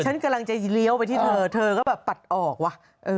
ฉันกำลังจะเลี้ยวไปที่เธอเธอก็แบบปัดออกว่ะ